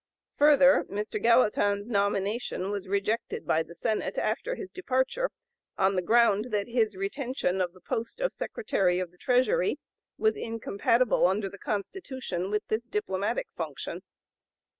Further, Mr. Gallatin's nomination was rejected by the Senate after his departure, on the ground that his retention of the post of Secretary of the Treasury was incompatible, under the Constitution, with this diplomatic function.